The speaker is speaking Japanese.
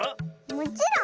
もちろん。